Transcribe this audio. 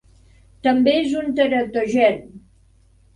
També és un teratogen.